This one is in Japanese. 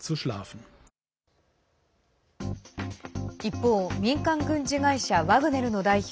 一方民間軍事会社ワグネルの代表